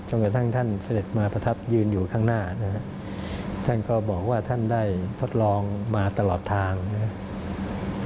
กระทั่งท่านเสด็จมาประทับยืนอยู่ข้างหน้านะครับท่านก็บอกว่าท่านได้ทดลองมาตลอดทางนะครับ